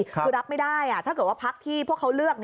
คือรับไม่ได้ถ้าเกิดว่าพักที่พวกเขาเลือก